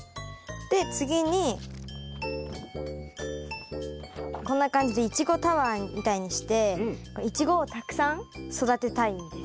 で次にこんな感じでイチゴタワーみたいにしてイチゴをたくさん育てたいんです。